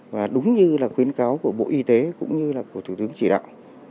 và đúng như là khuyến cáo của bộ y tế cũng như là của thủ tướng chỉ đạo